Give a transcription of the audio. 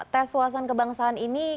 tes suasana kebangsaan ini